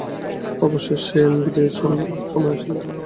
অবশেষে বিদায়ের সময় আসিল।